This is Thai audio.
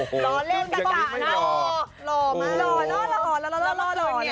หลอเล่นกับข้าวนะหล่อมากหลอแล้วละ